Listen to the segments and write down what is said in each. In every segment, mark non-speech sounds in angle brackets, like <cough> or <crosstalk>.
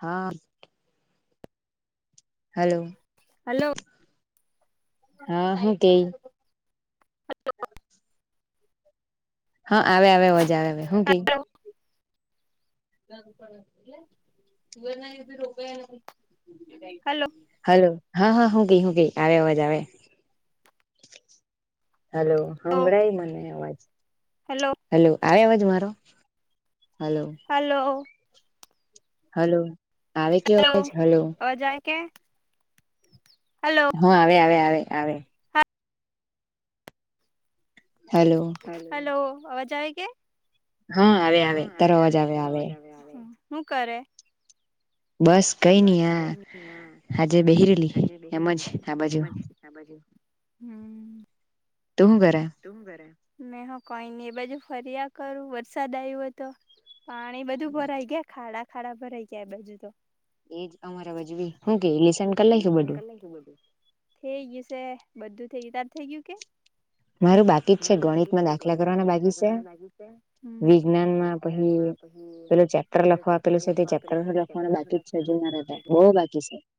હા હલો હલોલો હા હ તેઈ હા આવે આવે અજા આવે આવે હું કઈ એટ ના બી રો હલો હા હા હું કઈ શું કઈ આવે અવાજ આવે હલો હભળાઈ મને અવાજ હલો આવે અવાજ મારો હલો હલો આવે કેવા જ હલો હા આવે આવે આવે આવે હલો અવાજ આવે કે હા આવે આવે તરવાજ આવે આવે મુકારે બસ કઈ નઈ હા આજે બહરેલી એમજ આ બાજુ હમ તું હુ કરે મે હા કોઈ ન‌ઇ એ બાજુ ફર્યા કરું વરસાદ આવ્યો તો પાણી બધું ભરાઈ ગયા ખાડા ખાડા ભરાઈ ગયા એ બાજુ તો એજ હું કે લેશન કર લે બઘું થ‌ઈ ગયું સે બધું થઇ ગયું તાર થઈ ગયું કે મારું બાકી જ છે ગણિતમાં દાખલા કરવાના બાકી છે વિજ્ઞાનમાં પછી પેલું ચેપ્ટર લખવા આપેલું છે તે ચેપ્ટર લખવાનું બાકી જ છેજુ ના રહેતા બહુ બાકી છે <unintelligible> <unintelligible>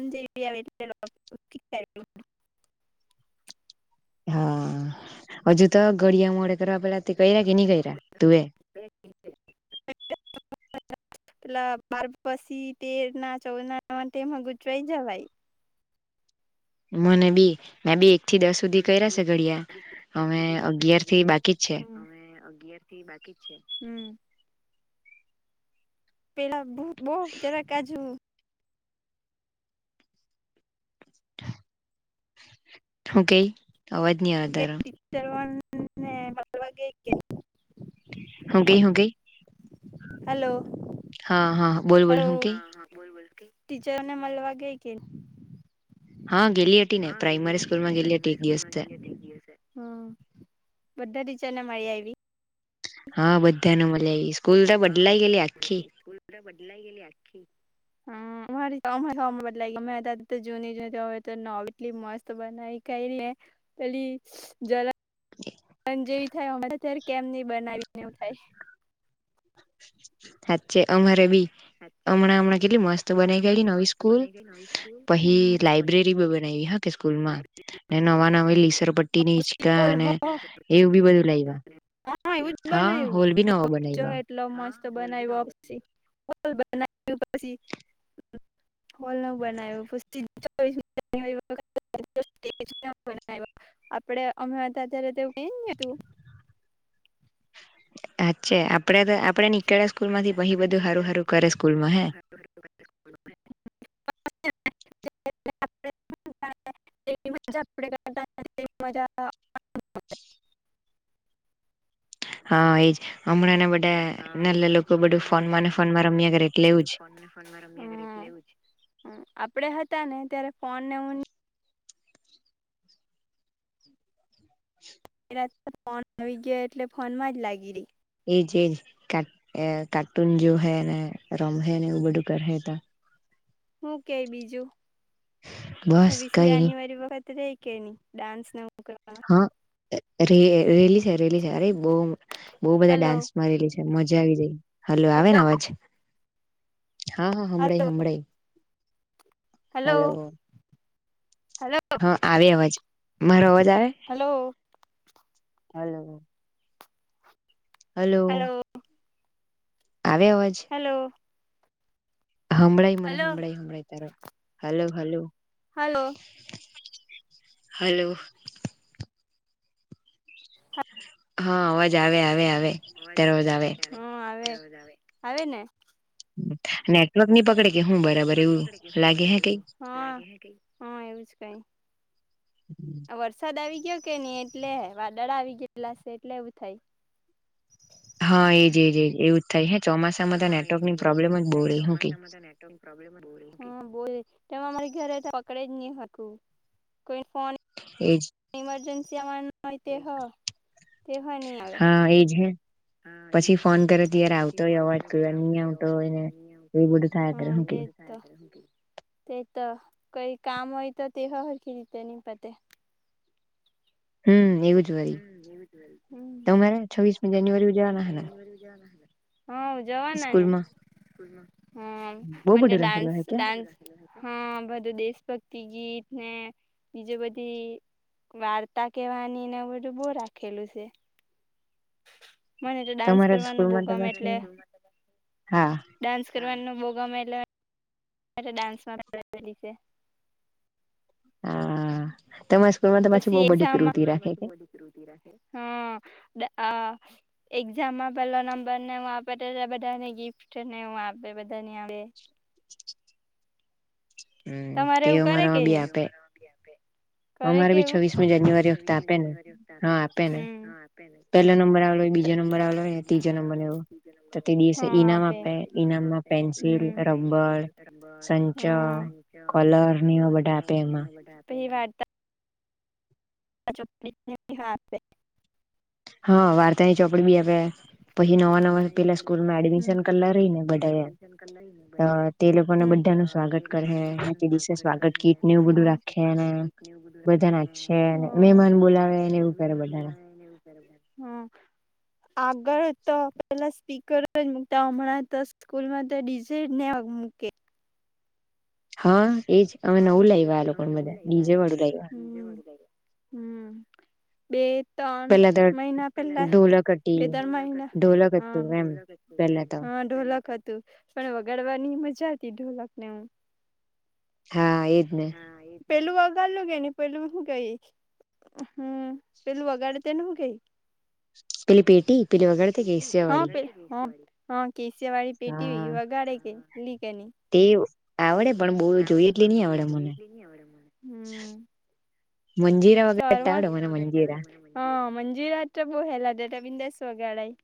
મ જેરી <unintelligible> હા હજુ તો ગળિયા મોડે કરવા પેલા કરા કે નહી કરા તુંએ પેલા બાર પછી તેર ના ચૌદ નામાં ગૂચવાય જવાય મને બી મે બી એક થી દસ સુધી કર્યા છે ઘડિયા અમે અગિયાર થી બાકી જ છે હું પેલા બહુ જરા કાજુ હું કઈ અવાજ નહી વઘારો હને પરવાગ કે <unintelligible> હું ગઈ હું ગઈ હલો હા હા બોલ બોલ હું કે ટીચર ને મલવાને ગ‌ઇ કે હા હા ગેલી હતી ને પ્રાઈમરી સ્કૂલમાં ગેલી હતી દિવસે બધાની કે ને મળી આવ્વી હા બધાને મળ્યા આવી સ્કૂલ તો બદલાય ગયેલી આખી પખી <inaudible> હમ અરીવામાં બદલા ગઈ અમે હતા તો જૂની જય હવે તો નવીન એટલી મસ્ત બનાવી એટલે પેલી ઝલક પણ જેવી થાય અત્યારે કેમ નહીં બનાવીને એવું થાય સાચે અમારે બી હમણાં હમણાં કેટલી મસ્ત બનાઈ ગય નવી સ્કૂલ પછી લાઈબ્રેરી બી બનાવી હ સ્કૂલ માં ને નવા નવા લીસર પટ્ટી ની હીચકા અને એવું બી બધું લાઇવા હા હોલ ભી નવો બનાઇવો બનાવ પછી <unintelligible> બના પછી <unintelligible> હોલ ન બનાવ પ <unintelligible> <unintelligible> <unintelligible> સ્ટેજ ક બનાવ્યો <unintelligible> આપડે અમે હતા અત્યારે કઇ ની હતું. અચછા આપડે તો આપણેે નીકળ્યા સ્કૂલ માંથી પહી બધું હારું હારું કરે સ્કૂલમાં હે કેવી મજા તો આપણે કરતા તેવી મજા તો <unintelligible> હ <inaudible> હા એજ હમણાં ન બધે ના ન લોકો બધું ફોન માં ને ફોન માં રમ્યા કરે એટલે એવું જ આપડે હતા ને ત્યારે ફોન ને હું હવે તો ફોન આવી ગયા એટલે ફોનમાં જ લાગી રહી. છી કા અ કાર્ટૂન જોહેરા ને રમે હૈ ને એવું બઘુ કરેતા હું કેઈ બીજું છવ્વીસમી જાન્યુઆરી વખત રહી કે ની ડાન્સ ને એવું કરવા ર રેલી છે રેલી છે અરે બઉ બહુ બધા ડાન્સમાં રેલી છે મજા આવી જાય હલો આવે ને અવાજ હા હા હમણાઈ હમણાઈ હલો હા આવે અવાજ મારો અવાજ હલો હલો હલો આવેયા અવાજ હમળાઈ મને હમળાઈ હમળાઈ તર હલો હલો હલો હલો હા અવાજ આવે આવે આવે અતારજ આવે આવે ને નેટવર્ક ની પકડે એવું જ કઈ આ વરસાદ આવી ગ ગયો કે નહીં એટલે વાદણ આવી ગયેલા છે એટલે એવું થાય. હા એજજજ એવું જ થાય હ હા એજજજ એવું જ થાય અમણાં ચોમાસામાં નેટવર્ક પ્રોબ્લેમ હોય તેમાં અમારી ઘરે તો પકડે જ નહી હતું કોઈ ફોન ઈમરજન્સી આવવા ન હોય તે હો હા એજ હૈ પછી ફોન કરે ત્યારે આવતો હોય અવાજ કદાચ નહી આવતો હોય ને એવું બધું થાય કેર તે તો કઈ કામ હોય તો તેવા સરળખી રીતે નની પતે <unintelligible> હા જવાના ને હમ મ ડાન્સ ડાન્સ હા બધ દેશ ભક્તિ ગીત ને બીજું બધી વાર્તા કેવાનીને બહ રાખેલું છે. મને તો ડાન્સ કરવાનું બોગામ એટલે ડાન્સ કરવાનું બોગ ગમેલા. માટે ડાન્સમાં <unintelligible> છે હા. પછી એક્ઝામમાં હ. અ એક્ઝામમાં પેલો નંબર ને હું આપેટ બધાને ગિફ્ટ ને હું આપે બધા <unintelligible> આવે <inaudible> તમારે એવું કરે કે નહી. કર કેવું અમારે બી છવ્વીસમી જાન્યુઆરી વતે આપે ને હા આપે ને પેલો નંબર આવડો બીજો નંબર આવડો ત્રીજો નંબર આપ ઈમ આપે. હું કલર ની બધા આપે એમાં. વાર્તા <unintelligible> હા વાર્તાની ચોપડી બી આપે. પછી નવા નવા પેલા સ્કૂલમાં એડમિશન કરલા રહી ને બધા તે લોકોને બધા નું સ્વાગત કરે તે દિવસે સ્વાગત કીટ ને એવું બધું રાખે ને બધા નાચ મહેમાન બોલાવેને એવું કરે બધાને. આગળ તો પેલા સ્પીકર જ મુકતા હમણાં તો સ્કૂલમાં તો ડીજે ને મૂકે. હા. હા ન ઉ લઈવા. બે પેલા તો દોલક બે ત્રણ મહિના હ હ ઢોલક હતું પણ વગાડવાની મજા આવતીતી ઢોલક ને પેલુ <unintelligible> ગઈ પેલું હું ગઈ હમ પેલું વગાડે તેને હું ગઈ હ હા કેસિયા વાળી પેટી વગ ડેક તે આવડે પણ બહુ જોઈ પણ બહુ જોઈ એટલી નહ આવડે મને સારવા હા મંજિર હત્ર બો હલા દટ બિ વગાડાઈ.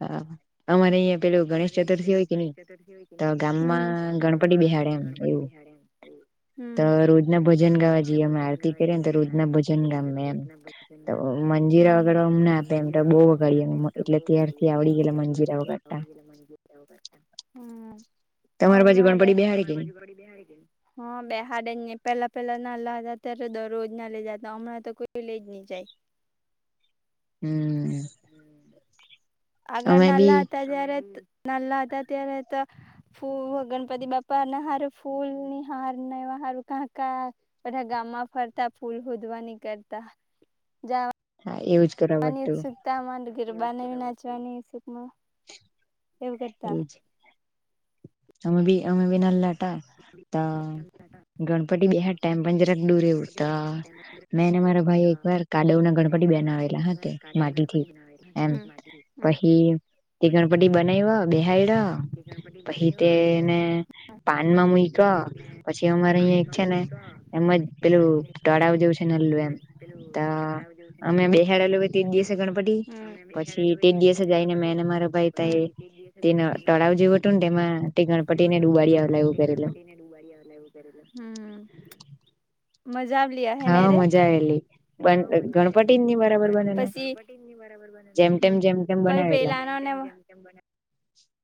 હા અમારે અહિયાં પેલું ગણેશ ચતુર્થી હોય કે નહી તો ગામમાં ગણપતિ બેહાડે એમ એવું તો રોજના ભજન ગાવા જઈએમે આરતી કરી ને તો રોજના ભજન ગામે એમ મંજજીરા વગાડવામ ના આપે એમ બહુ વગાડી એટલે તેર એટલે ત્યાર થી આવડી ગેલા વગાડતા હા તમારે બાજૂ ગણપતિ બેહાડે કે ની હા બેહાડે જ ને પેલા પેલા ના લાતા ત્યારે દરરોજ ના લે જાતા હમણાં તો કોઈ લઈ જ નહી જાય. હમ. આગળ નાનલા હતા ત્યારે નાલા હતા ત્યારે તો ફૂ ગણપતિ બાપાને હાર ફૂલ ની હારને કાકા બધા ગામમાં ફરતા ફૂલ ખોદવા નકી કરતા વાની ઉત્સુકતા માડગીરબાનવીનાચવાની સુખમા એવું કરતા અમે બી અમે બી નાનલા હતા ત ગણપતિ બેહાડતા પણ જરા જરાક ડૂર એવું તો મેં ને મારો ભાઈ ભાઈ એક વાર કાડવ ના ગણપતિ બેન આવેલા તે માટીથી એમ પછી તે ગણપતિ બનાવવા બેહાઈડ પછી તેને પાનમાં મૂઈકો પછી અમારે અ છે ને એમ જ પેલું તોળાવ જેવું છે નલું એમ તો અમે બેહડ લોકો તેજ દિવસે ગણપતિ પછી તેજ દિવસે જઈને મેને ભાઈ તે તળાવ જેવુ હતુ ને તેમાં જેવ હતું ને તેમાં તે ગણપતિ ને ડુબાડી આવેલા એવું કરેલ. મજા આવેલી આ હેને રે હ પણ પછી પછી પેલાનો ને એવું <unintelligible>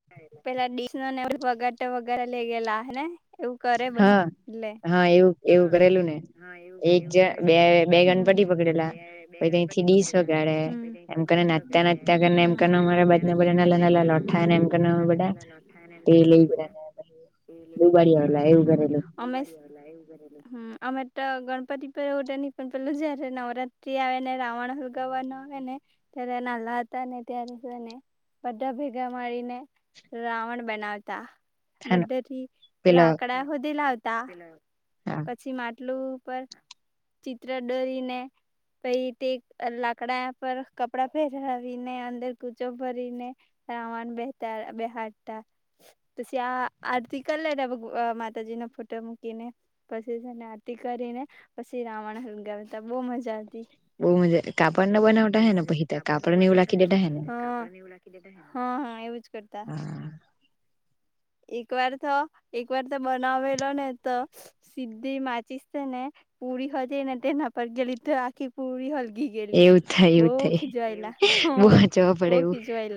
પેલા ડીસ ને એવું વગાડતા વગાડતા લઈ ગયેલા અહે ને હા હા એવું એવું કરેલું ને એક જ બે બે ગણપતિ પકડેલા પછ તથી ડીસ વગાડે એમ નાચતા નાચતા કરીને એમ કરિને અમરા બાજુના બધા નાનલા નાનલા લોઠાય ને એમ કરી ન બડા તે લીરા દુબારી આવલા એવું હમ અમેશ હ અમે તો ગણપતિ પર એવું નહી પણ પેલું જયારે નવરાત્રી આવે ને રાવણ વા એને ત્યારે નાલા હતા ને ત્યારે એને બધા ભેગા મારીને રાવણ બનાવતા બધરી લાકડા હોદીલા આવતા પછી માટલું ઉપ ચિત્ર દોરીને પછ તે લાકડા પર કપડા પહેરાવીને અંદર કૂચો ભરીનેખ. રાવન બેસા ત બેહાડતા પછી આર્તી કરિ લેતા માતાજી નો ફોટો મૂકી. પછીને આરતી કરીને પછી રાવણ ગતા બહુ મજા આવતી તો કાપડ ના બનાવતા હને પછી કાપડ ને એવું નાખી દેતા હશે ને હા હા એવું જ કર. હા. એક વાર તો એક વાર તો બનાવેલો ને તો સીધી માચીસ ને પૂરી હોજાય એને તેના પર ગેલી તો રાખી પૂરી હોલગ ઘી ગેલી બહ ખીજુ આઈલા હ બો ખીજુ આઈ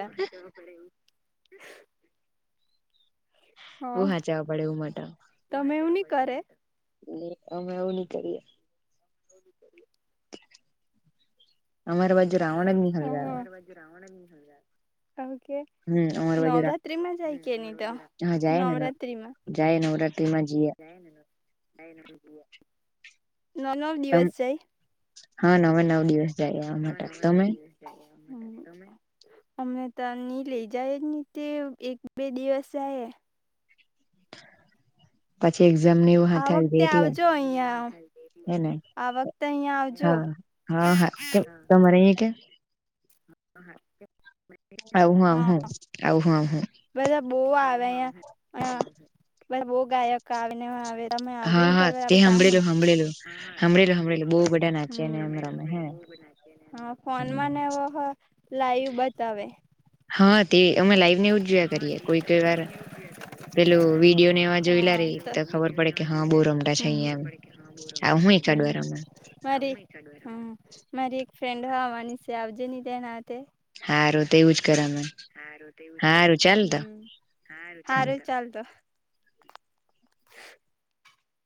<unintelligible> હા તમે એવું નહી કરે. અમે એવું નઈ કરીએ. એ બી કરી અમારે બાજુ રાવણ જ નીહલ જ આવે. ઓકે નવરાત્રી માં જાય કે ન તો હા જાય ને નવ જાય નવરાત્રીમાં. જાવ ન જ નવા હા નવે નવ દિવસ જાય એવા માટે તમેે હમ અમને ત નની લઇ જાય જ ને તે એક બે દિવસ જાય. પછી એક્ઝામ ને એવું હાથ આવી જાય એટલે એ ન હા હા હા તમારે કે હ હા આવ હું હું આવ હું હું બધા બો આવે અહં <inaudible> બ બઉુ ગાયક આવે ને આવે હા હા તે સાંભળેલું સાંભળેલું સાંભળેલું સાંભળેલું બહુ બધા નાચી ને એમ રમે હે હા ફોન માંને લાઈવ બતાવે હા તે અમે લાઈવ નનેવું જ જોયા કરીએ કોઈ કોઈ વાર પેલોું વિડીયો ને એવા જોયેલા રે તો ખબર પડે કે હા બહુ રમટા છે અહંયા એમ <unintelligible> મારી એક ફ્રેન્ડ હો અમાની છે આપજે ન દેના તે હાારો તો એવું જ સારો તો એવું જ કરવા સારું ચાલતો <inaudible>